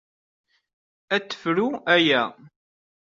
Ad tefru aya.